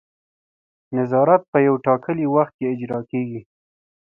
نظارت په یو ټاکلي وخت کې اجرا کیږي.